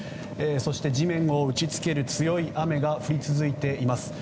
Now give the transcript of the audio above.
そして地面を打ち付ける強い雨が降り続いています。